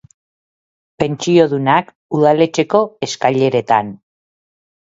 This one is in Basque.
Pentsiodunak, udaletxeko eskaileretan.